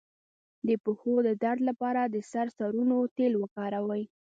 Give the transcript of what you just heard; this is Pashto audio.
د پښو د درد لپاره د سرسونو تېل وکاروئ